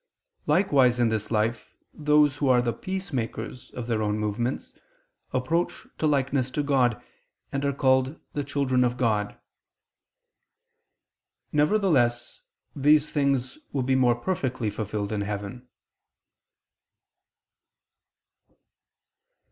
Likewise, in this life, those who are the "peacemakers" of their own movements, approach to likeness to God, and are called "the children of God." Nevertheless these things will be more perfectly fulfilled in heaven.